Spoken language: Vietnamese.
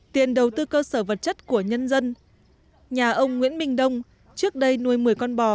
tiền đầu tư cơ sở vật chất của nhân dân nhà ông nguyễn minh đông trước đây nuôi một mươi con bò